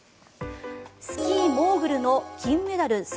スキーモーグルの金メダル